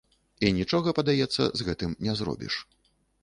І нічога, падаецца, з гэтым не зробіш.